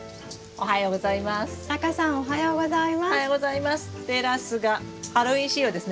おはようございます。